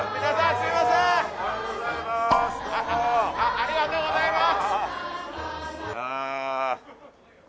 ありがとうございます。